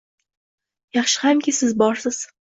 Yaxshi hamki siz borsiz.